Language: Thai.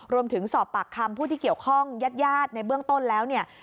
รวมถึงสอบปากคำผู้ที่เกี่ยวข้องญาติญาติในเบื้องต้นแล้วเนี่ย